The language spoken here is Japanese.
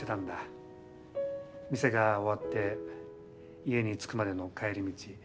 店が終わって家に着くまでの帰り道。